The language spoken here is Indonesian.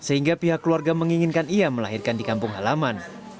sehingga pihak keluarga menginginkan ia melahirkan di kampung halaman